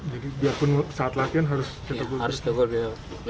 jadi biarpun saat latihan harus cita gol